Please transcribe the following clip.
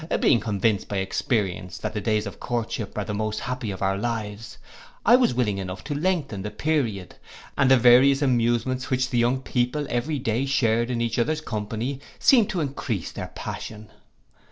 Being convinced by experience that the days of courtship are the most happy of our lives, I was willing enough to lengthen the period; and the various amusements which the young couple every day shared in each other's company, seemed to encrease their passion.